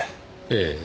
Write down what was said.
ええ。